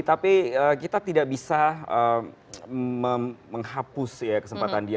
tapi kita tidak bisa menghapus kesempatan dia